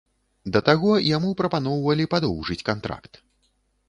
Да таго, яму прапаноўвалі падоўжыць кантракт.